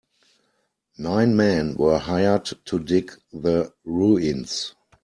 Nine men were hired to dig the ruins.